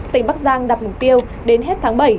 tỉnh bắc giang đặt mục tiêu đến hết tháng bảy